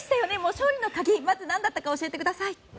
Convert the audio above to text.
勝利の鍵は何だったか教えてください。